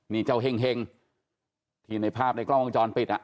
นี่เจ้าเห็งที่ในภาพในกล้องวงจรปิดอ่ะ